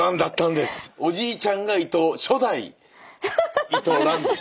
おじいちゃんが初代伊藤蘭でした。